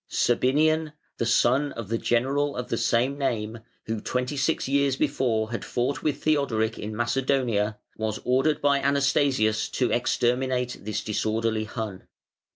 Sabinian, the son of the general of the same name, who twenty six years before had fought with Theodoric in Macedonia, was ordered by Anastasius to exterminate this disorderly Hun.